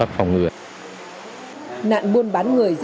chín vụ mua bán người